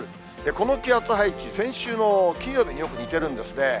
この気圧配置、先週の金曜日によく似てるんですね。